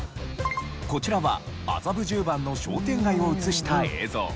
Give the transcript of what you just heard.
こちらは麻布十番の商店街を映した映像。